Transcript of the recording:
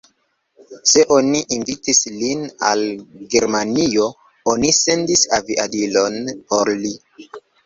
Se oni invitis lin al Germanio, oni sendis aviadilon por li.